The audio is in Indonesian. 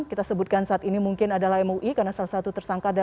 kita sebutkan saat ini mungkin adalah mui karena salah satu tersangka adalah